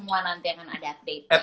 semua nanti akan ada tp